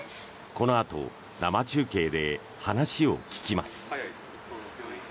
このあと生中継で話を聞きます。